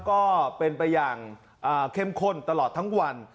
ก็เป็นไปอย่างเข้มข้นตลอดทั้งวัน